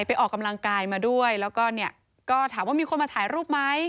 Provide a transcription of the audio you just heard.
ไปออกกำลังกายมาด้วยและก็ถามว่ามีคนมาถ่ายรูปไหม